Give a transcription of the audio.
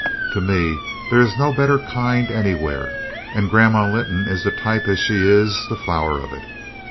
To me there is no better kind anywhere, and Grandma Linton is the type as she is the flower of it.